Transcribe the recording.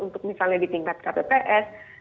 untuk misalnya di tingkat kpps